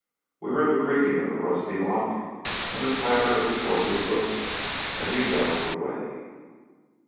We heard the creaking of the rusty lock, and the clatter of his horse's hoofs, as he galloped away.